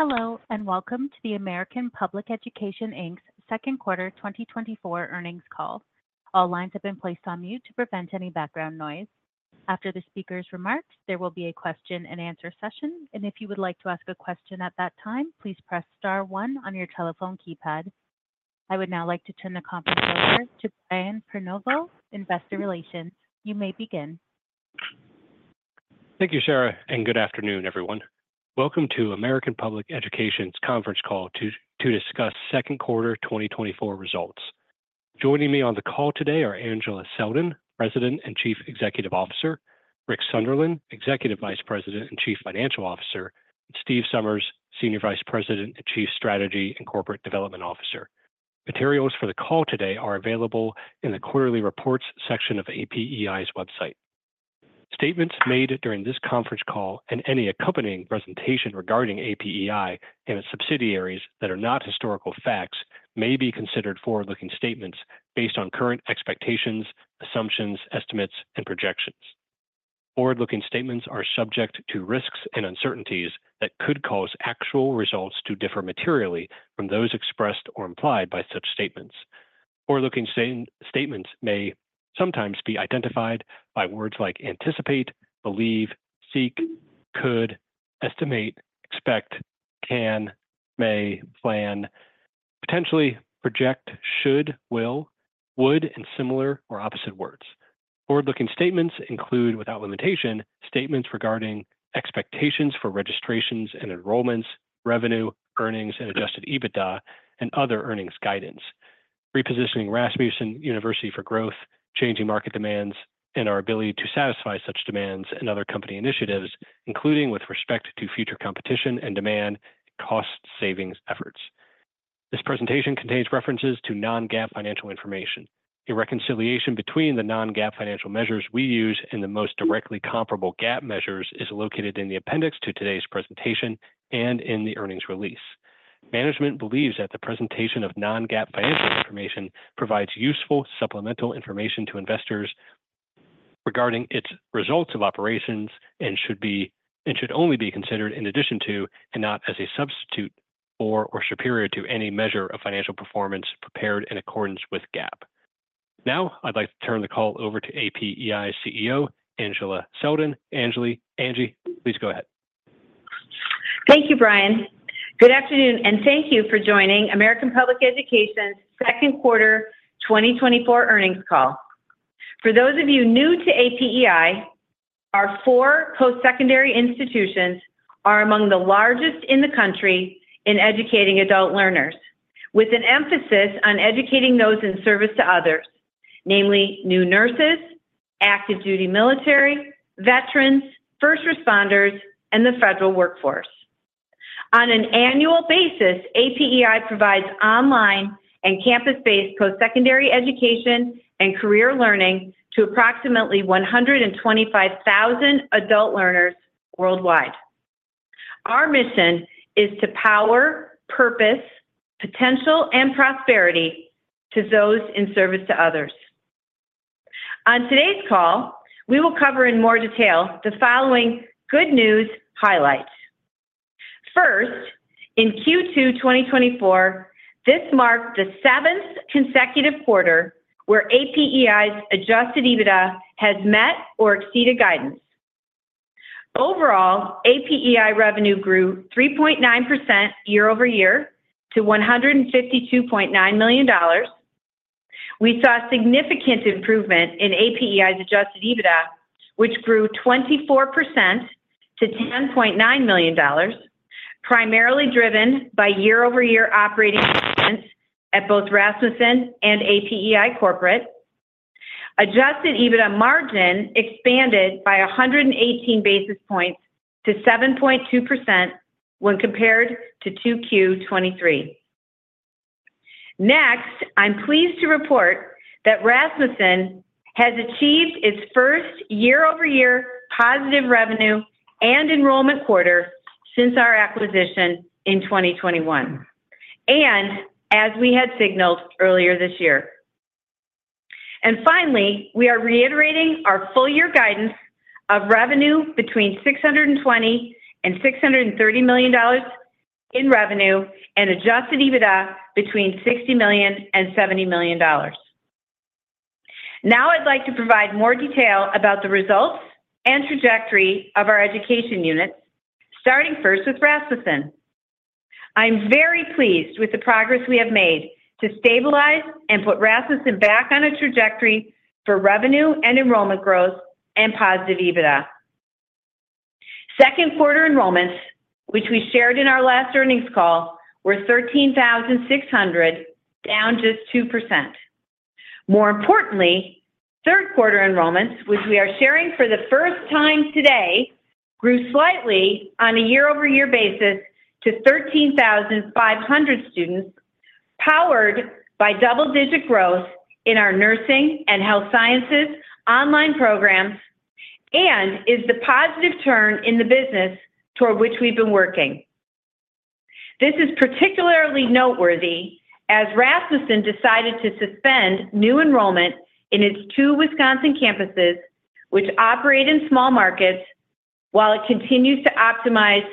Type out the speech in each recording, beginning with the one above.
Hello, and welcome to the American Public Education, Inc.'s second quarter 2024 earnings call. All lines have been placed on mute to prevent any background noise. After the speaker's remarks, there will be a question and answer session, and if you would like to ask a question at that time, please press star one on your telephone keypad. I would now like to turn the conference over to Brian Prenoveau, Investor Relations. You may begin. Thank you, Sarah, and good afternoon, everyone. Welcome to American Public Education's conference call to discuss second quarter 2024 results. Joining me on the call today are Angela Selden, President and Chief Executive Officer; Rick Sunderland, Executive Vice President and Chief Financial Officer; Steve Somers, Senior Vice President and Chief Strategy and Corporate Development Officer. Materials for the call today are available in the Quarterly Reports section of APEI's website. Statements made during this conference call and any accompanying presentation regarding APEI and its subsidiaries that are not historical facts may be considered forward-looking statements based on current expectations, assumptions, estimates, and projections. Forward-looking statements are subject to risks and uncertainties that could cause actual results to differ materially from those expressed or implied by such statements. Forward-looking statements may sometimes be identified by words like anticipate, believe, seek, could, estimate, expect, can, may, plan, potentially, project, should, will, would, and similar or opposite words. Forward-looking statements include, without limitation, statements regarding expectations for registrations and enrollments, revenue, earnings, and adjusted EBITDA and other earnings guidance, repositioning Rasmussen University for growth, changing market demands, and our ability to satisfy such demands and other company initiatives, including with respect to future competition and demand, cost savings efforts. This presentation contains references to non-GAAP financial information. A reconciliation between the non-GAAP financial measures we use and the most directly comparable GAAP measures is located in the appendix to today's presentation and in the earnings release. Management believes that the presentation of non-GAAP financial information provides useful supplemental information to investors regarding its results of operations and should only be considered in addition to and not as a substitute for or superior to any measure of financial performance prepared in accordance with GAAP. Now, I'd like to turn the call over to APEI's CEO, Angela Selden. Angela, Angie, please go ahead. Thank you, Brian. Good afternoon, and thank you for joining American Public Education's second quarter 2024 earnings call. For those of you new to APEI, our four postsecondary institutions are among the largest in the country in educating adult learners, with an emphasis on educating those in service to others, namely new nurses, active duty military, veterans, first responders, and the federal workforce. On an annual basis, APEI provides online and campus-based postsecondary education and career learning to approximately 125,000 adult learners worldwide. Our mission is to power, purpose, potential, and prosperity to those in service to others. On today's call, we will cover in more detail the following good news highlights. First, in Q2 2024, this marked the seventh consecutive quarter where APEI's adjusted EBITDA has met or exceeded guidance. Overall, APEI revenue grew 3.9% year-over-year to $152.9 million. We saw significant improvement in APEI's adjusted EBITDA, which grew 24% to $10.9 million, primarily driven by year-over-year operating expense at both Rasmussen and APEI Corporate. Adjusted EBITDA margin expanded by 118 basis points to 7.2% when compared to 2Q 2023. Next, I'm pleased to report that Rasmussen has achieved its first year-over-year positive revenue and enrollment quarter since our acquisition in 2021, and as we had signaled earlier this year. Finally, we are reiterating our full year guidance of revenue between $620 million and $630 million in revenue and adjusted EBITDA between $60 million and $70 million. Now I'd like to provide more detail about the results and trajectory of our education units, starting first with Rasmussen. I'm very pleased with the progress we have made to stabilize and put Rasmussen back on a trajectory for revenue and enrollment growth and positive EBITDA. Second quarter enrollments, which we shared in our last earnings call, were 13,600, down just 2%. More importantly, third quarter enrollments, which we are sharing for the first time today, grew slightly on a year-over-year basis to 13,500 students, powered by double-digit growth in our nursing and health sciences online programs and is the positive turn in the business toward which we've been working.. This is particularly noteworthy as Rasmussen decided to suspend new enrollment in its two Wisconsin campuses, which operate in small markets, while it continues to optimize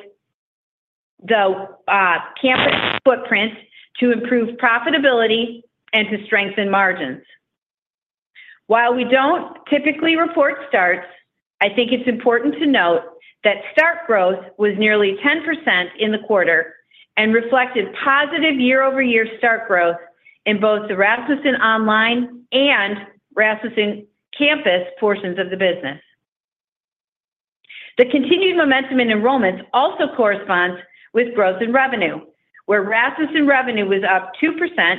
the campus footprint to improve profitability and to strengthen margins. While we don't typically report starts, I think it's important to note that start growth was nearly 10% in the quarter and reflected positive year-over-year start growth in both the Rasmussen Online and Rasmussen campus portions of the business. The continued momentum in enrollments also corresponds with growth in revenue, where Rasmussen revenue was up 2%,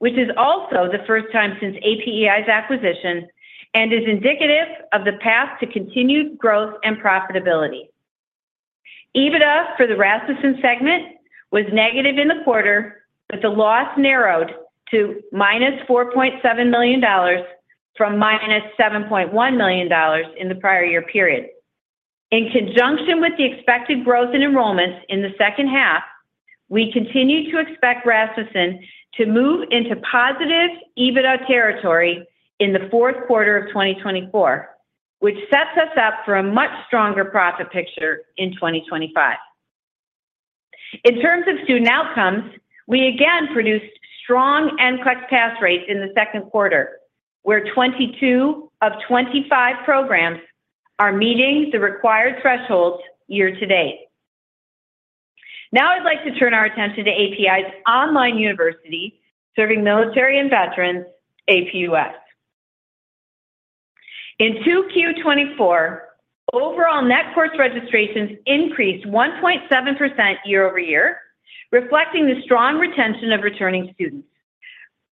which is also the first time since APEI's acquisition and is indicative of the path to continued growth and profitability. EBITDA for the Rasmussen segment was negative in the quarter, but the loss narrowed to -$4.7 million from -$7.1 million in the prior year period. In conjunction with the expected growth in enrollments in the second half, we continue to expect Rasmussen to move into positive EBITDA territory in the fourth quarter of 2024, which sets us up for a much stronger profit picture in 2025. In terms of student outcomes, we again produced strong NCLEX pass rates in the second quarter, where 22 of 25 programs are meeting the required thresholds year to date. Now, I'd like to turn our attention to APEI's online university, serving military and veterans, APUS. In 2Q 2024, overall net course registrations increased 1.7% year-over-year, reflecting the strong retention of returning students.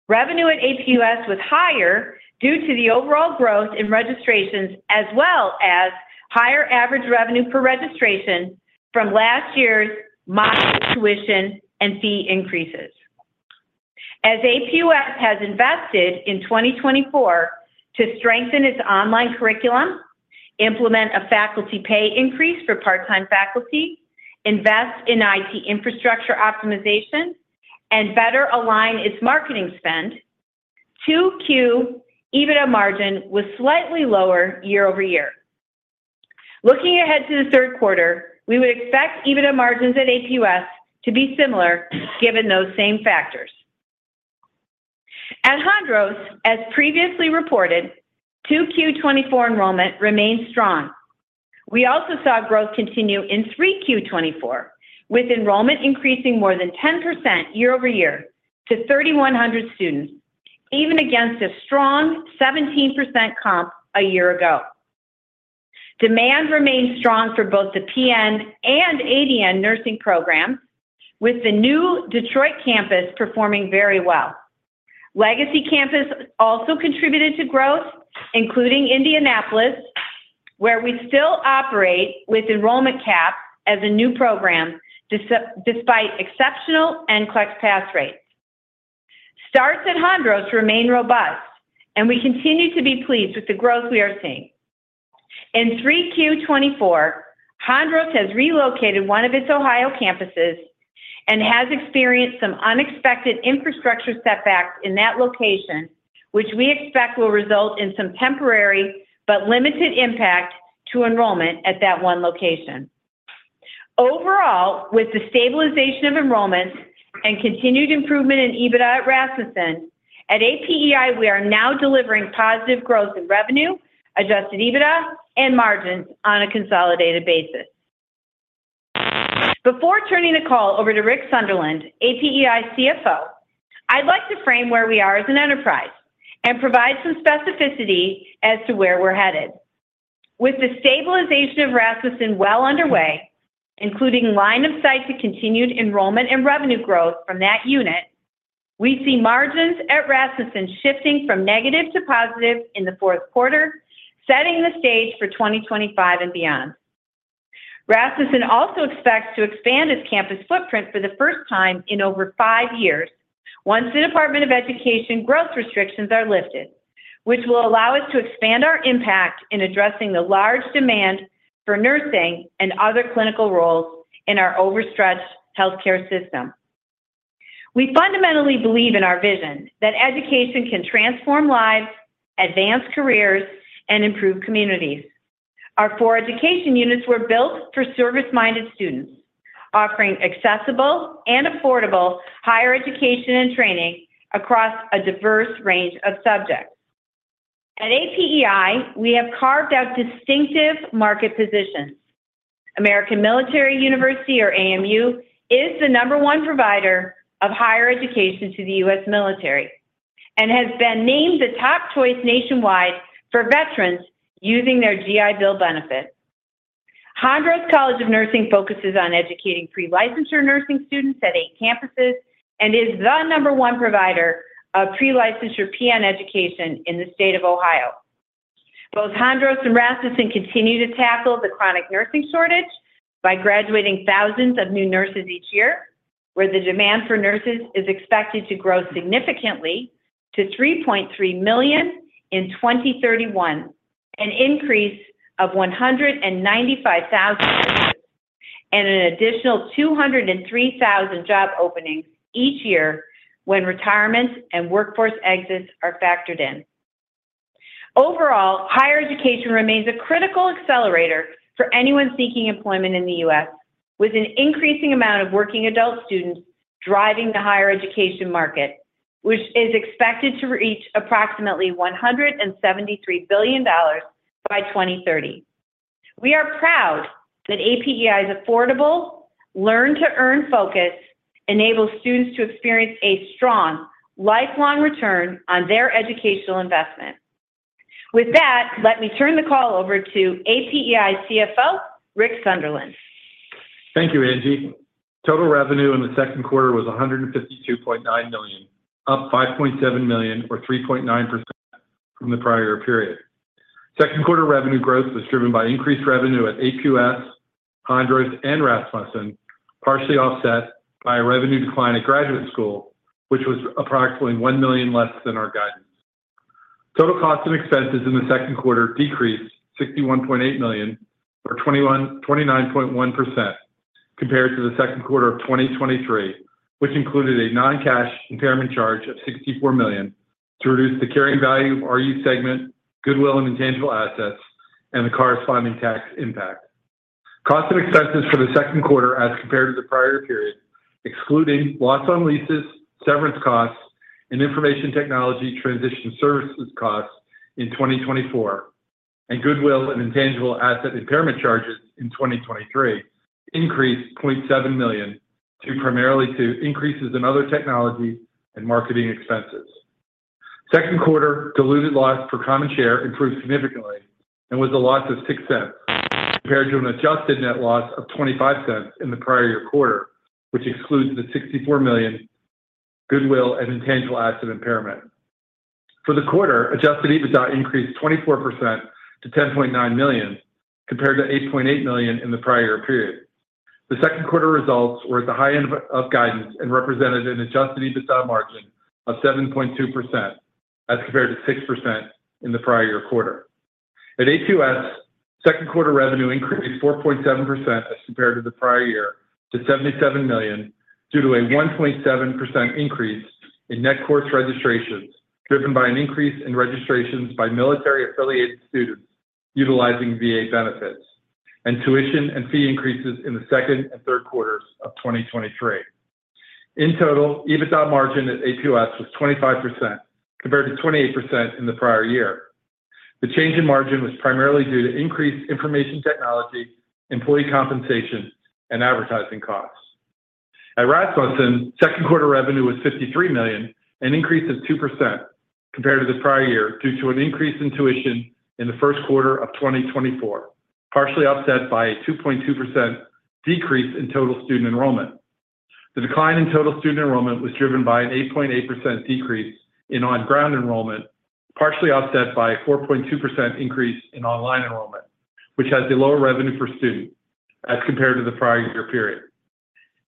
Revenue at APUS was higher due to the overall growth in registrations, as well as higher average revenue per registration from last year's modest tuition and fee increases. As APUS has invested in 2024 to strengthen its online curriculum, implement a faculty pay increase for part-time faculty, invest in IT infrastructure optimization, and better align its marketing spend, 2Q EBITDA margin was slightly lower year-over-year. Looking ahead to the third quarter, we would expect EBITDA margins at APUS to be similar given those same factors. At Hondros, as previously reported, 2Q 2024 enrollment remained strong. We also saw growth continue in 3Q 2024, with enrollment increasing more than 10% year-over-year to 3,100 students, even against a strong 17% comp a year ago. Demand remains strong for both the PN and ADN nursing program, with the new Detroit campus performing very well. Legacy campus also contributed to growth, including Indianapolis, where we still operate with enrollment caps as a new program, despite exceptional NCLEX pass rates. Starts at Hondros remain robust, and we continue to be pleased with the growth we are seeing. In 3Q 2024, Hondros has relocated one of its Ohio campuses and has experienced some unexpected infrastructure setbacks in that location, which we expect will result in some temporary but limited impact to enrollment at that one location. Overall, with the stabilization of enrollments and continued improvement in Adjusted EBITDA at Rasmussen, at APEI, we are now delivering positive growth in revenue, Adjusted EBITDA, and margins on a consolidated basis. Before turning the call over to Rick Sunderland, APEI CFO, I'd like to frame where we are as an enterprise and provide some specificity as to where we're headed. With the stabilization of Rasmussen well underway, including line of sight to continued enrollment and revenue growth from that unit, we see margins at Rasmussen shifting from negative to positive in the fourth quarter, setting the stage for 2025 and beyond. Rasmussen also expects to expand its campus footprint for the first time in over five years once the Department of Education growth restrictions are lifted, which will allow us to expand our impact in addressing the large demand for nursing and other clinical roles in our overstretched healthcare system. We fundamentally believe in our vision that education can transform lives, advance careers, and improve communities. Our four education units were built for service-minded students, offering accessible and affordable higher education and training across a diverse range of subjects. At APEI, we have carved out distinctive market positions. American Military University, or AMU, is the number one provider of higher education to the U.S. military and has been named the top choice nationwide for veterans using their GI Bill benefit. Hondros College of Nursing focuses on educating pre-licensure nursing students at eight campuses and is the number one provider of pre-licensure PN education in the state of Ohio. Both Hondros and Rasmussen continue to tackle the chronic nursing shortage by graduating thousands of new nurses each year, where the demand for nurses is expected to grow significantly to 3.3 million in 2031. An increase of 195,000, and an additional 203,000 job openings each year when retirement and workforce exits are factored in. Overall, higher education remains a critical accelerator for anyone seeking employment in the U.S., with an increasing amount of working adult students driving the higher education market, which is expected to reach approximately $173 billion by 2030. We are proud that APEI is affordable, learn to earn focus, enables students to experience a strong, lifelong return on their educational investment. With that, let me turn the call over to APEI CFO, Rick Sunderland. Thank you, Angie. Total revenue in the second quarter was $152.9 million, up $5.7 million, or 3.9% from the prior period. Second quarter revenue growth was driven by increased revenue at APUS, Hondros, and Rasmussen, partially offset by a revenue decline at Graduate School, which was approximately $1 million less than our guidance. Total costs and expenses in the second quarter decreased $61.8 million or 29.1% compared to the second quarter of 2023, which included a non-cash impairment charge of $64 million to reduce the carrying value of our new segment, goodwill and intangible assets, and the corresponding tax impact. Costs and expenses for the second quarter as compared to the prior period, excluding loss on leases, severance costs, and information technology transition services costs in 2024, and goodwill and intangible asset impairment charges in 2023 increased $0.7 million to primarily to increases in other technology and marketing expenses. Second quarter diluted loss per common share improved significantly and was a loss of $0.06, compared to an adjusted net loss of $0.25 in the prior year quarter, which excludes the $64 million goodwill and intangible asset impairment. For the quarter, Adjusted EBITDA increased 24% to $10.9 million, compared to $8.8 million in the prior period. The second quarter results were at the high end of guidance and represented an Adjusted EBITDA margin of 7.2%, as compared to 6% in the prior year quarter. At APUS, second quarter revenue increased 4.7% as compared to the prior year to $77 million, due to a 1.7% increase in net course registrations, driven by an increase in registrations by military-affiliated students utilizing VA benefits, and tuition and fee increases in the second and third quarters of 2023. In total, EBITDA margin at APUS was 25%, compared to 28% in the prior year. The change in margin was primarily due to increased information technology, employee compensation, and advertising costs. At Rasmussen, second quarter revenue was $53 million, an increase of 2% compared to the prior year, due to an increase in tuition in the first quarter of 2024, partially offset by a 2.2% decrease in total student enrollment. The decline in total student enrollment was driven by an 8.8% decrease in on-ground enrollment, partially offset by a 4.2% increase in online enrollment, which has a lower revenue per student as compared to the prior year period.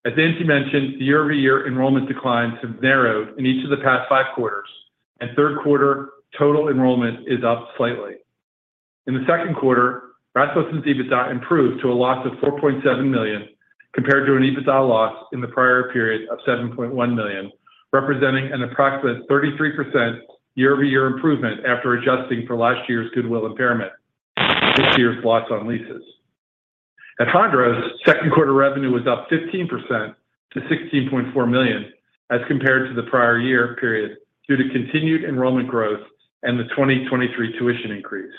As Angie mentioned, the year-over-year enrollment declines have narrowed in each of the past 5 quarters, and third quarter total enrollment is up slightly. In the second quarter, Rasmussen's EBITDA improved to a loss of $4.7 million, compared to an EBITDA loss in the prior period of $7.1 million, representing an approximate 33% year-over-year improvement after adjusting for last year's goodwill impairment, this year's loss on leases. At Hondros, second quarter revenue was up 15% to $16.4 million as compared to the prior year period, due to continued enrollment growth and the 2023 tuition increase.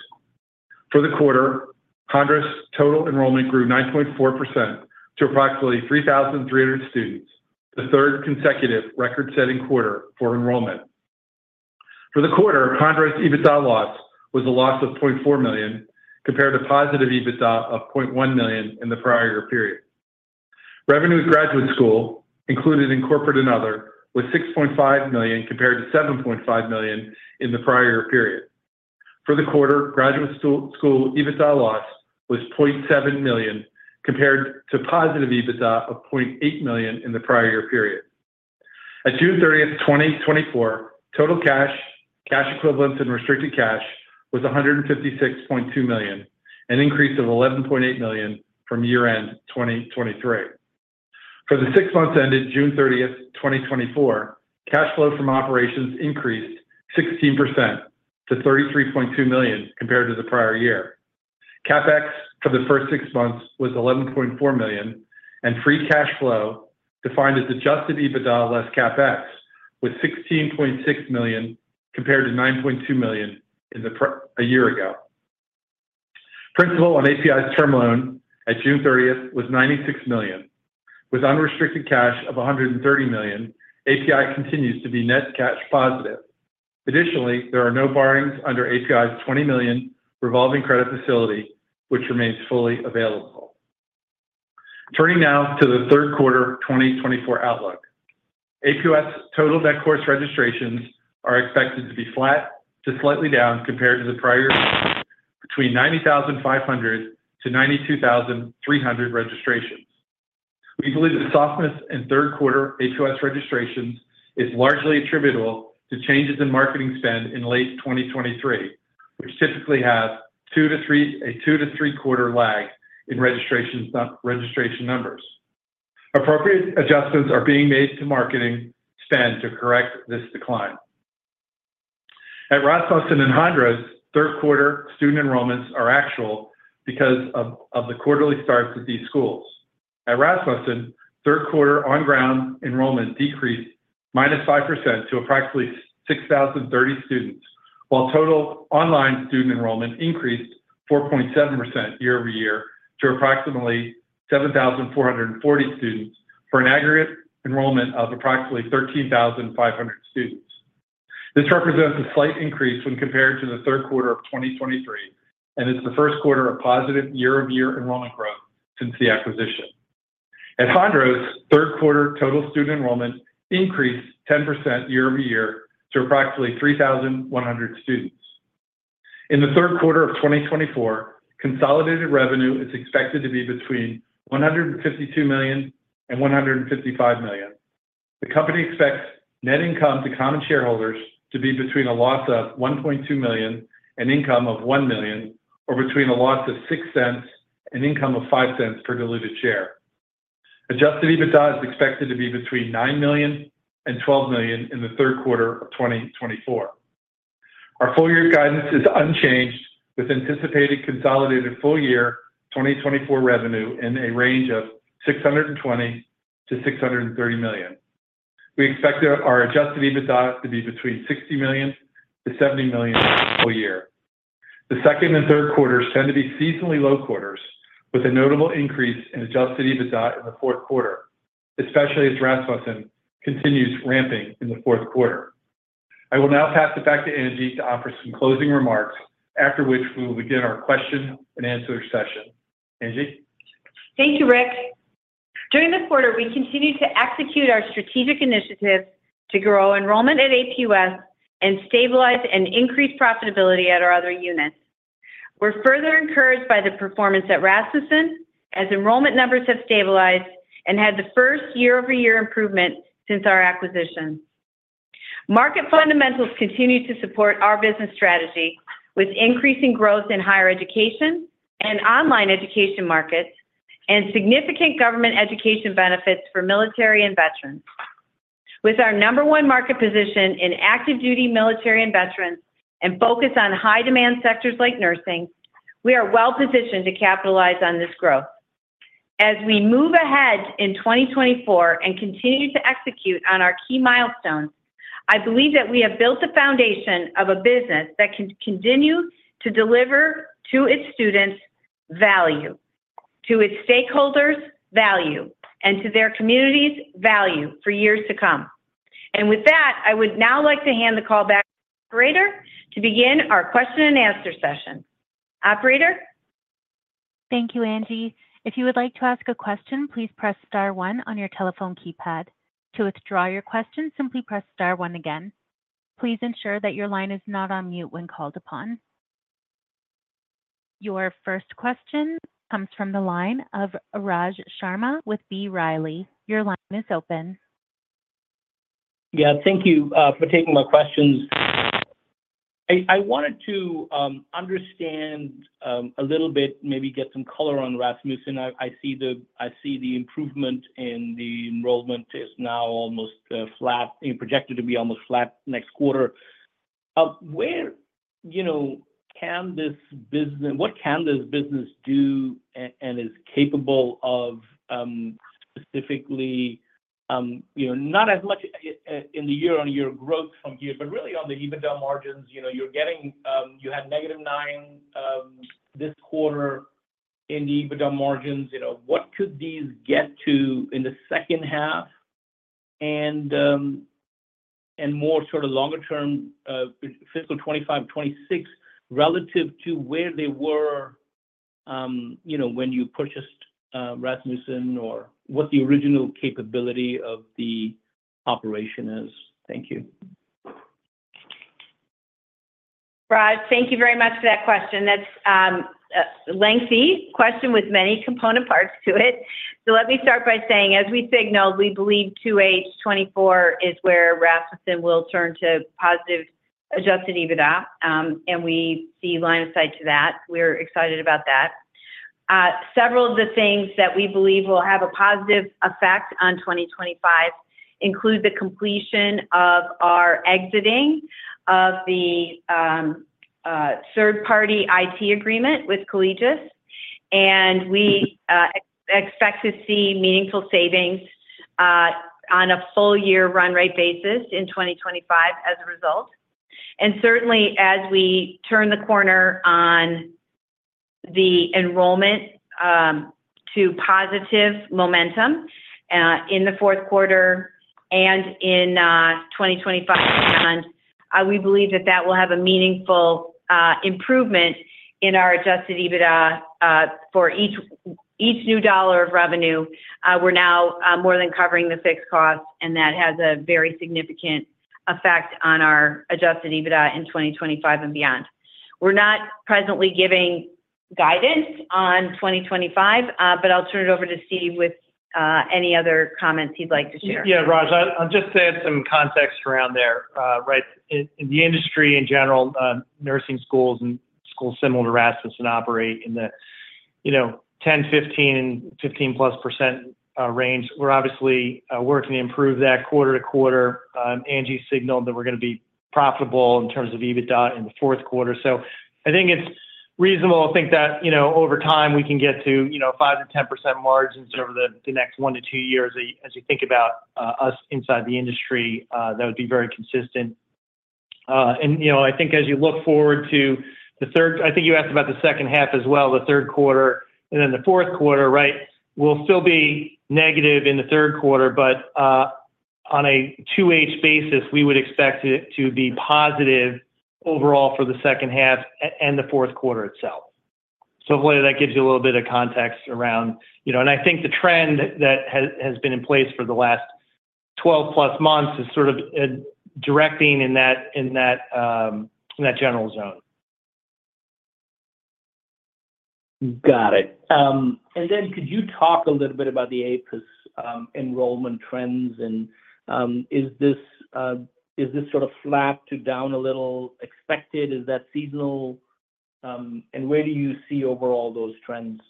For the quarter, Hondros' total enrollment grew 9.4% to approximately 3,300 students, the third consecutive record-setting quarter for enrollment. For the quarter, Hondros' EBITDA loss was a loss of $0.4 million, compared to positive EBITDA of $0.1 million in the prior year period. Revenue at Graduate School, included in corporate and other, was $6.5 million, compared to $7.5 million in the prior year period. For the quarter, Graduate School's EBITDA loss was $0.7 million, compared to positive EBITDA of $0.8 million in the prior year period. At June thirtieth, 2024, total cash, cash equivalents, and restricted cash was $156.2 million, an increase of $11.8 million from year-end 2023. For the six months ended June 30, 2024, cash flow from operations increased 16% to $33.2 million compared to the prior year. CapEx for the first six months was $11.4 million, and free cash flow, defined as adjusted EBITDA less CapEx, was $16.6 million, compared to $9.2 million in the prior year a year ago. Principal on APEI's term loan at June 30 was $96 million. With unrestricted cash of $130 million, APEI continues to be net cash positive. Additionally, there are no borrowings under APEI's $20 million revolving credit facility, which remains fully available. Turning now to the third quarter 2024 outlook. APUS total net course registrations are expected to be flat to slightly down compared to the prior, between 90,500 to 92,300 registrations. We believe the softness in third quarter APUS registrations is largely attributable to changes in marketing spend in late 2023, which typically has a 2- to 3-quarter lag in registration numbers. Appropriate adjustments are being made to marketing spend to correct this decline. At Rasmussen and Hondros, third quarter student enrollments are actual because of the quarterly starts at these schools. At Rasmussen, third quarter on-ground enrollment decreased -5% to approximately 6,030 students, while total online student enrollment increased 4.7% year-over-year to approximately 7,440 students, for an aggregate enrollment of approximately 13,500 students. This represents a slight increase when compared to the third quarter of 2023, and it's the first quarter of positive year-over-year enrollment growth since the acquisition. At Hondros, third quarter total student enrollment increased 10% year-over-year to approximately 3,100 students. In the third quarter of 2024, consolidated revenue is expected to be between $152 million and $155 million. The company expects net income to common shareholders to be between a loss of $1.2 million and income of $1 million, or between a loss of $0.06 and income of $0.05 per diluted share. Adjusted EBITDA is expected to be between $9 million and $12 million in the third quarter of 2024. Our full year guidance is unchanged, with anticipated consolidated full year 2024 revenue in a range of $620 million-$630 million. We expect our adjusted EBITDA to be between $60 million-$70 million full year. The second and third quarters tend to be seasonally low quarters, with a notable increase in Adjusted EBITDA in the fourth quarter, especially as Rasmussen continues ramping in the fourth quarter. I will now pass it back to Angie to offer some closing remarks, after which we will begin our question and answer session. Angie? Thank you, Rick. During this quarter, we continued to execute our strategic initiatives to grow enrollment at APUS and stabilize and increase profitability at our other units. We're further encouraged by the performance at Rasmussen, as enrollment numbers have stabilized and had the first year-over-year improvement since our acquisition. Market fundamentals continue to support our business strategy, with increasing growth in higher education and online education markets, and significant government education benefits for military and veterans. With our number one market position in active duty military and veterans, and focus on high-demand sectors like nursing, we are well positioned to capitalize on this growth. As we move ahead in 2024 and continue to execute on our key milestones, I believe that we have built a foundation of a business that can continue to deliver to its students value, to its stakeholders value, and to their communities value for years to come. And with that, I would now like to hand the call back to the operator to begin our question and answer session. Operator? Thank you, Angie. If you would like to ask a question, please press star one on your telephone keypad. To withdraw your question, simply press star one again. Please ensure that your line is not on mute when called upon. Your first question comes from the line of Raj Sharma with B. Riley. Your line is open. Yeah, thank you for taking my questions. I wanted to understand a little bit, maybe get some color on Rasmussen. I see the improvement in the enrollment is now almost flat and projected to be almost flat next quarter. Where, you know, can this business—what can this business do and is capable of, specifically, you know, not as much in the year-on-year growth from here, but really on the EBITDA margins? You know, you're getting, you had -9 this quarter in the EBITDA margins. You know, what could these get to in the second half? And more sort of longer term, fiscal 2025, 2026, relative to where they were, you know, when you purchased Rasmussen or what the original capability of the operation is? Thank you. Raj, thank you very much for that question. That's a lengthy question with many component parts to it. So let me start by saying, as we signaled, we believe 2H 2024 is where Rasmussen will turn to positive Adjusted EBITDA, and we see line of sight to that. We're excited about that. Several of the things that we believe will have a positive effect on 2025 include the completion of our exiting of the third-party IT agreement with Collegis, and we expect to see meaningful savings on a full year run rate basis in 2025 as a result. Certainly, as we turn the corner on the enrollment, to positive momentum, in the fourth quarter and in 2025 and beyond, we believe that that will have a meaningful, improvement in our Adjusted EBITDA, for each, each new dollar of revenue. We're now, more than covering the fixed costs, and that has a very significant effect on our Adjusted EBITDA in 2025 and beyond. We're not presently giving guidance on 2025, but I'll turn it over to Steve with, any other comments he'd like to share. Yeah, Raj, I'll just add some context around there. Right. In the industry, in general, nursing schools and schools similar to Rasmussen operate in the, you know, 10%-15% and 15+% range. We're obviously working to improve that quarter to quarter. Angie signaled that we're gonna be profitable in terms of EBITDA in the fourth quarter. So I think it's reasonable to think that, you know, over time, we can get to, you know, 5%-10% margins over the next 1-2 years. As you think about us inside the industry, that would be very consistent. And, you know, I think as you look forward to the third quarter, I think you asked about the second half as well, the third quarter, and then the fourth quarter, right? We'll still be negative in the third quarter, but on a two-year basis, we would expect it to be positive overall for the second half and the fourth quarter itself. So hopefully that gives you a little bit of context around. You know, and I think the trend that has been in place for the last 12+ months is sort of trending in that general zone. Got it. And then could you talk a little bit about the APUS enrollment trends? And is this sort of flat to down a little expected? Is that seasonal, and where do you see overall those trends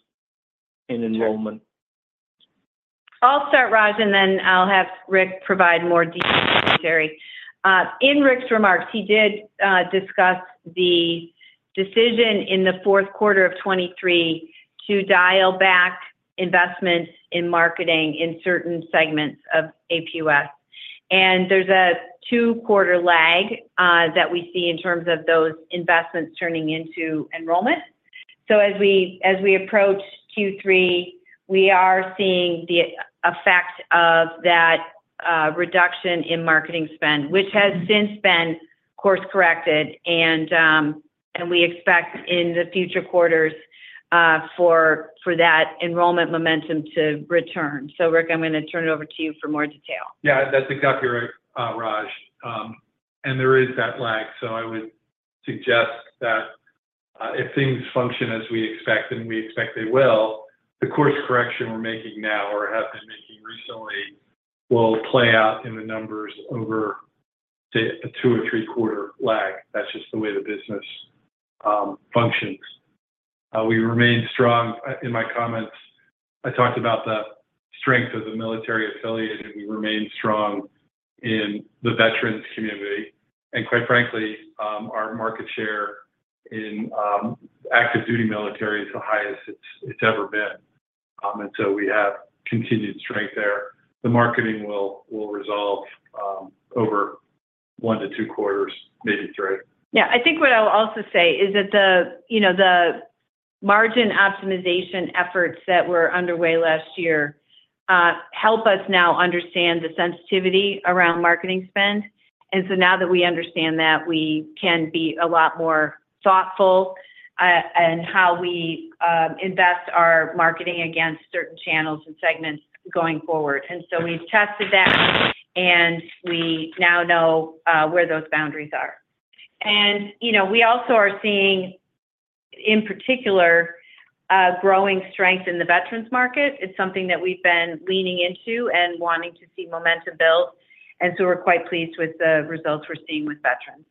in enrollment? I'll start, Raj, and then I'll have Rick provide more detail necessary. In Rick's remarks, he did discuss the decision in the fourth quarter of 2023 to dial back investments in marketing in certain segments of APUS. And there's a two-quarter lag that we see in terms of those investments turning into enrollment. So as we approach Q3, we are seeing the effect of that reduction in marketing spend, which has since been course-corrected, and we expect in the future quarters for that enrollment momentum to return. So Rick, I'm gonna turn it over to you for more detail. Yeah, that's exactly right, Raj. And there is that lag, so I would suggest that, if things function as we expect, and we expect they will, the course correction we're making now or have been making recently will play out in the numbers over the two- or three-quarter lag. That's just the way the business functions. We remain strong. In my comments, I talked about the strength of the military affiliate, and we remain strong in the veterans community. And quite frankly, our market share in active duty military is the highest it's ever been. And so we have continued strength there. The marketing will resolve over one to two quarters, maybe three. Yeah. I think what I'll also say is that the, you know, the margin optimization efforts that were underway last year help us now understand the sensitivity around marketing spend. And so now that we understand that, we can be a lot more thoughtful in how we invest our marketing against certain channels and segments going forward. And so we've tested that, and we now know where those boundaries are. And, you know, we also are seeing, in particular, a growing strength in the veterans market. It's something that we've been leaning into and wanting to see momentum build, and so we're quite pleased with the results we're seeing with veterans.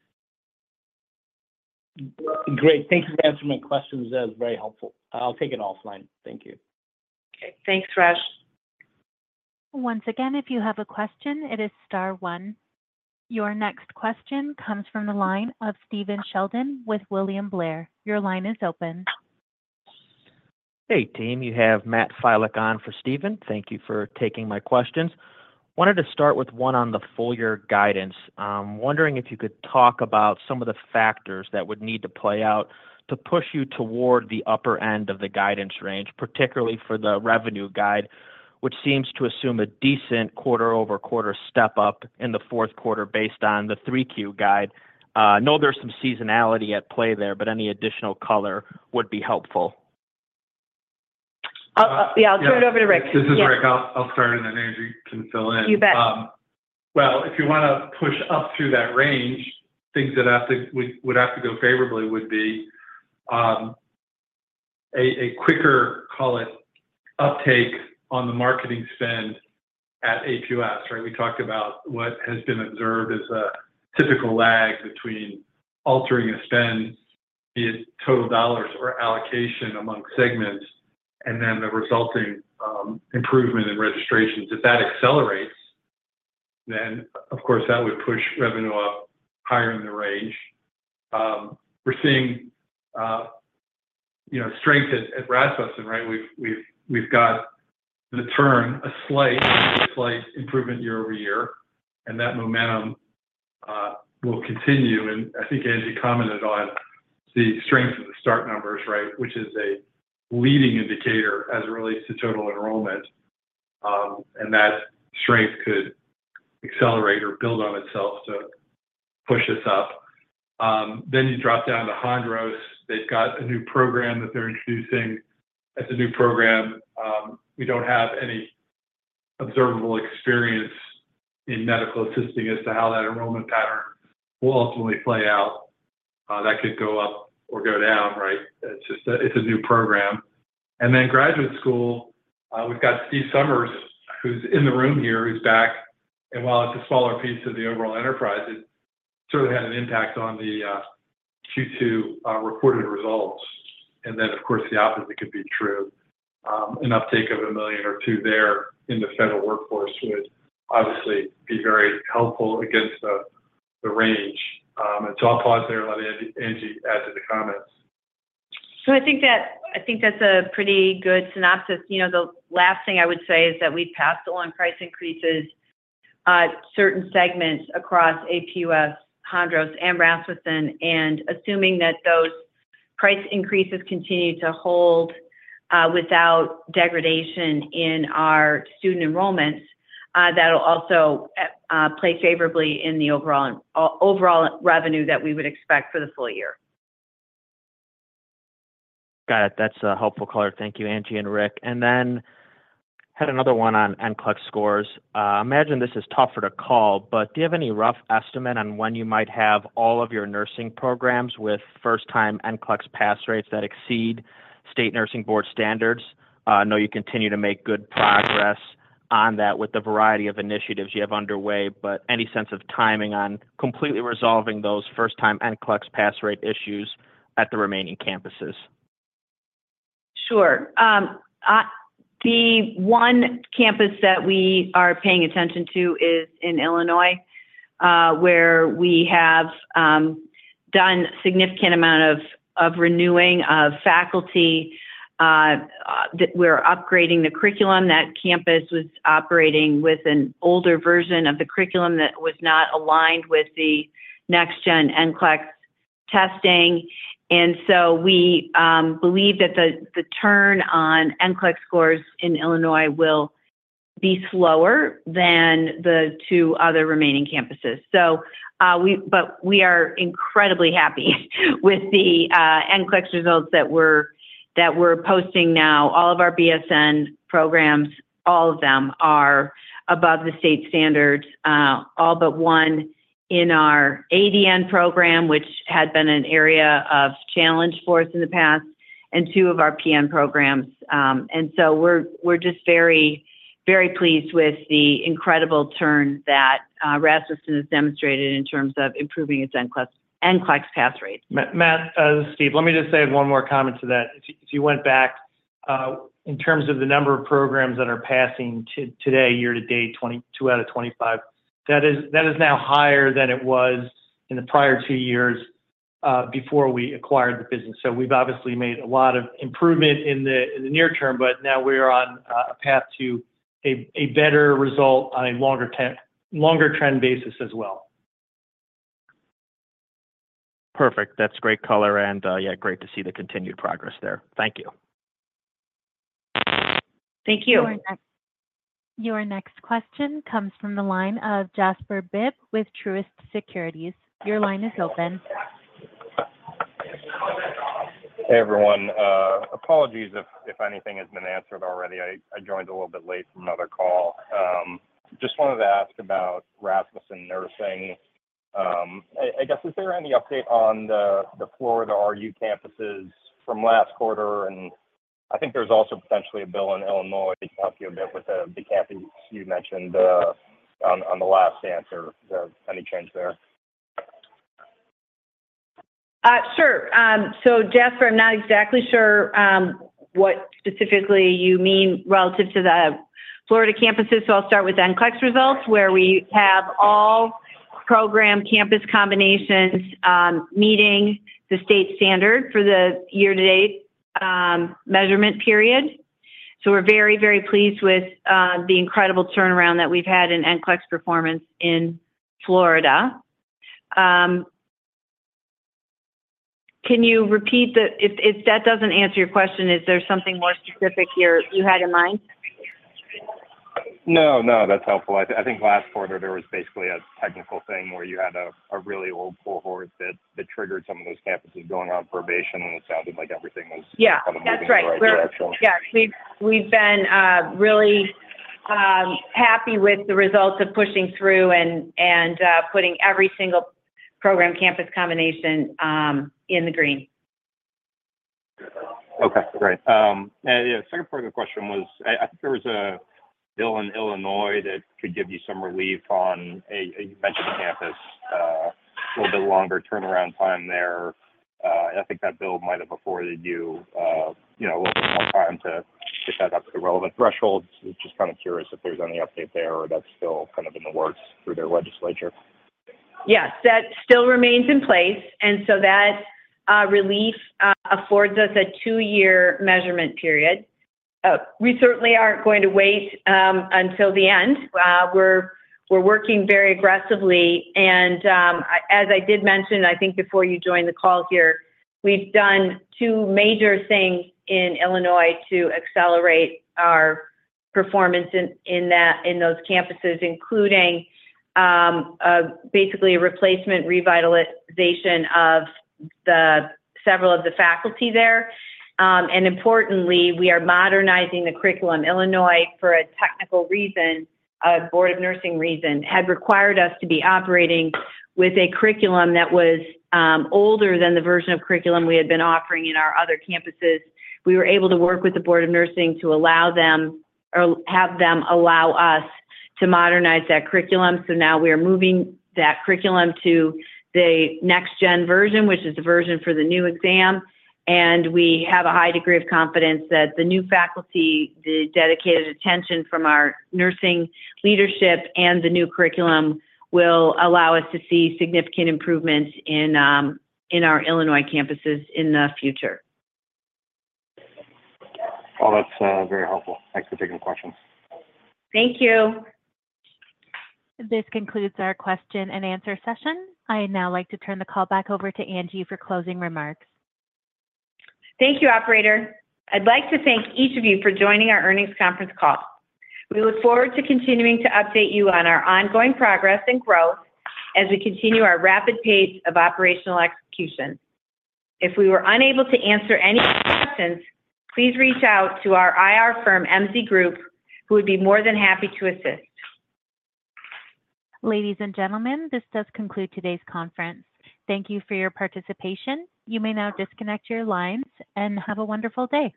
Great. Thank you for answering my questions. That was very helpful. I'll take it offline. Thank you. Okay. Thanks, Raj. Once again, if you have a question, it is star one. Your next question comes from the line of Steven Sheldon with William Blair. Your line is open. Hey, team, you have Matt Filek on for Steven. Thank you for taking my questions. Wanted to start with one on the full year guidance. Wondering if you could talk about some of the factors that would need to play out to push you toward the upper end of the guidance range, particularly for the revenue guide, which seems to assume a decent quarter-over-quarter step up in the fourth quarter based on the 3Q guide. I know there's some seasonality at play there, but any additional color would be helpful. Yeah, I'll turn it over to Rick. This is Rick. I'll start, and then Angie can fill in. You bet. Well, if you wanna push up through that range, things that would have to go favorably would be a quicker, call it, uptake on the marketing spend at APUS, right? We talked about what has been observed as a typical lag between altering a spend, be it total dollars or allocation among segments, and then the resulting improvement in registrations. If that accelerates, then, of course, that would push revenue up higher in the range. We're seeing, you know, strength at Rasmussen, right? We've got the turn, a slight improvement year-over-year, and that momentum will continue. And I think Angie commented on the strength of the start numbers, right, which is a leading indicator as it relates to total enrollment. And that strength could accelerate or build on itself to push us up. Then you drop down to Hondros. They've got a new program that they're introducing. As a new program, we don't have observable experience in medical assisting as to how that enrollment pattern will ultimately play out. That could go up or go down, right? It's just a, it's a new program. And then graduate school, we've got Steve Somers, who's in the room here, who's back. And while it's a smaller piece of the overall enterprise, it sort of had an impact on the Q2 reported results. And then, of course, the opposite could be true. An uptake of 1 million or 2 million there in the federal workforce would obviously be very helpful against the range. So I'll pause there and let Angie, Angie add to the comments. I think that's a pretty good synopsis. You know, the last thing I would say is that we've passed along price increases at certain segments across APUS, Hondros, and Rasmussen, and assuming that those price increases continue to hold, without degradation in our student enrollments, that'll also play favorably in the overall overall revenue that we would expect for the full year. Got it. That's a helpful color. Thank you, Angie and Rick. And then had another one on NCLEX scores. I imagine this is tougher to call, but do you have any rough estimate on when you might have all of your nursing programs with first-time NCLEX pass rates that exceed state nursing board standards? I know you continue to make good progress on that with the variety of initiatives you have underway, but any sense of timing on completely resolving those first-time NCLEX pass rate issues at the remaining campuses? Sure. The one campus that we are paying attention to is in Illinois, where we have done significant amount of renewing of faculty that we're upgrading the curriculum. That campus was operating with an older version of the curriculum that was not aligned with the Next Gen NCLEX testing. And so we believe that the turn on NCLEX scores in Illinois will be slower than the two other remaining campuses. So, but we are incredibly happy with the NCLEX results that we're posting now. All of our BSN programs, all of them, are above the state standards, all but one in our ADN program, which had been an area of challenge for us in the past, and two of our PN programs. And so we're just very, very pleased with the incredible turn that Rasmussen has demonstrated in terms of improving its NCLEX pass rate. Matt, Steve, let me just say one more comment to that. If you, if you went back in terms of the number of programs that are passing today, year to date, 22 out of 25, that is, that is now higher than it was in the prior 2 years before we acquired the business. So we've obviously made a lot of improvement in the, in the near term, but now we're on a path to a better result on a longer-term longer trend basis as well. Perfect. That's great color, and, yeah, great to see the continued progress there. Thank you. Thank you. Your next question comes from the line of Jasper Bibb with Truist Securities. Your line is open. Hey, everyone. Apologies if, if anything has been answered already. I, I joined a little bit late from another call. Just wanted to ask about Rasmussen Nursing. I, I guess, is there any update on the, the Florida RU campuses from last quarter? And I think there's also potentially a bill in Illinois to help you a bit with the, the campus you mentioned, on, on the last answer. Is there any change there? Sure. So Jasper, I'm not exactly sure what specifically you mean relative to the Florida campuses, so I'll start with NCLEX results, where we have all program campus combinations meeting the state standard for the year-to-date measurement period. So we're very, very pleased with the incredible turnaround that we've had in NCLEX performance in Florida. Can you repeat the... If, if that doesn't answer your question, is there something more specific here you had in mind? No, no, that's helpful. I think last quarter there was basically a technical thing where you had a really old cohort that triggered some of those campuses going on probation, and it sounded like everything was- Yeah, that's right. kind of moving in the right direction. Yeah. We've been really happy with the results of pushing through and putting every single program campus combination in the green. Okay, great. And yeah, the second part of the question was, I think there was a bill in Illinois that could give you some relief on a mentioned campus, a little bit longer turnaround time there. I think that bill might have afforded you, you know, a little more time to get that up to the relevant thresholds. Just kind of curious if there's any update there or that's still kind of in the works through their legislature. Yes, that still remains in place, and so that relief affords us a two-year measurement period. We certainly aren't going to wait until the end. We're working very aggressively, and as I did mention, I think before you joined the call here, we've done two major things in Illinois to accelerate our performance in those campuses, including basically a replacement revitalization of several of the faculty there. And importantly, we are modernizing the curriculum. Illinois, for a technical reason, a board of nursing reason, had required us to be operating with a curriculum that was older than the version of curriculum we had been offering in our other campuses. We were able to work with the board of nursing to allow them, or have them allow us to modernize that curriculum. So now we're moving that curriculum to the next gen version, which is the version for the new exam, and we have a high degree of confidence that the new faculty, the dedicated attention from our nursing leadership, and the new curriculum will allow us to see significant improvements in our Illinois campuses in the future. Well, that's very helpful. Thanks for taking the question. Thank you. This concludes our question and answer session. I'd now like to turn the call back over to Angie for closing remarks. Thank you, operator. I'd like to thank each of you for joining our earnings conference call. We look forward to continuing to update you on our ongoing progress and growth as we continue our rapid pace of operational execution. If we were unable to answer any questions, please reach out to our IR firm, MZ Group, who would be more than happy to assist. Ladies and gentlemen, this does conclude today's conference. Thank you for your participation. You may now disconnect your lines, and have a wonderful day.